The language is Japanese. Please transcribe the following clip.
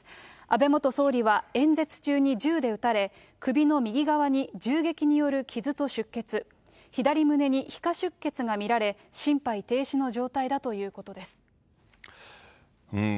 安倍元総理は演説中に銃で撃たれ、首の右側に銃撃による傷と出血、左胸に皮下出血が見られ、心肺停止の状態だということです。